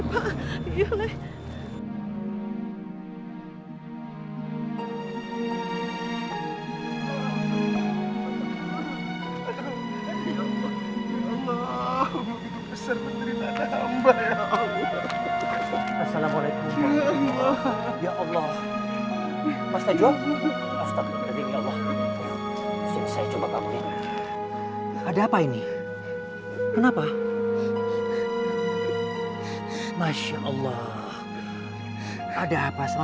mereka tau semua rencanaku